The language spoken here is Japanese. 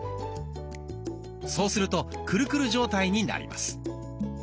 そうするとクルクル状態になります。